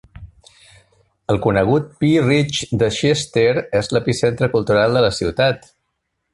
El conegut Pea Ridge de Chester és l'epicentre cultural de la ciutat.